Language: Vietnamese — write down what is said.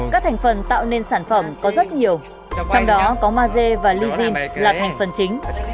các thành phần tạo nên sản phẩm có rất nhiều trong đó có maze và lizin là thành phần chính